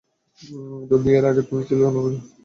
যদিও এর আগে তুমি ছিলে অনবহিতদের অন্তর্ভুক্ত।